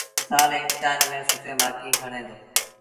هرسآل امتهآݩ ميݩ سيٚٺين مآرڪيٚݩ کڻي دو